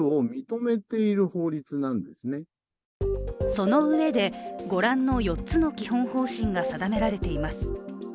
そのうえで、ご覧の４つの基本方針が定められています。